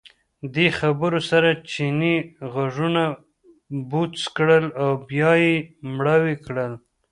دې خبرو سره چیني غوږونه بوڅ کړل او بیا یې مړاوي کړل.